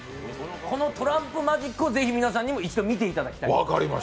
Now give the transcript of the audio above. このトランプマジックを是非、皆さんにも一度見ていただきたい。